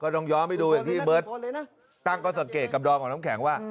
ต้องย้อนไปดูอย่างที่เบิร์ตตั้งข้อสังเกตกับดอมของน้ำแข็งว่า